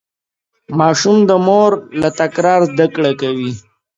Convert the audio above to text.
ماشوم د مور له تکرار زده کړه کوي.